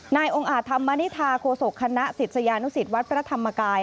องค์อาจธรรมนิษฐาโคศกคณะศิษยานุสิตวัดพระธรรมกาย